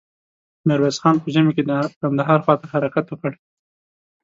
ميرويس خان په ژمې کې د کندهار خواته حرکت وکړ.